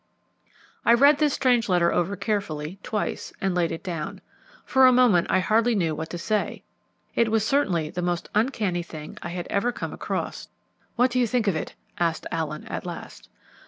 I read this strange letter over carefully twice, and laid it down. For a moment I hardly knew what to say. It was certainly the most uncanny thing I had ever come across. "What do you think of it?" asked Allen at last.